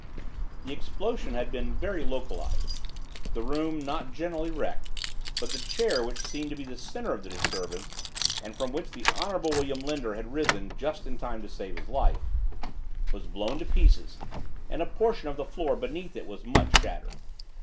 The explosion had been very localized, the room not generally wrecked; but the chair which seemed to be the center of disturbance, and from which the Honorable William Linder had risen just in time to save his life, was blown to pieces, and a portion of the floor beneath it was much shattered.